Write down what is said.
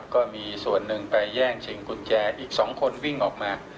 ก็มีส่วนหนึ่งไปแย่งชิงกุญแจอีก๒คนวิ่งออกมา